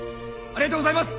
ありがとうございます！